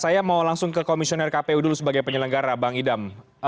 saya mau langsung ke komisioner kpu dulu sebagai penyelenggara bang idam